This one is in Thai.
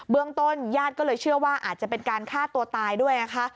เรื่องต้นญาติก็เลยเชื่อว่าอาจจะเป็นการฆ่าตัวตายด้วยนะคะ